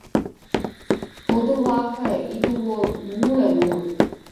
பொதுவாக இதுவோர் மூலநூல்.